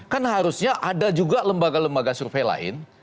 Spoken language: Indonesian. kan harusnya ada juga lembaga lembaga survei lain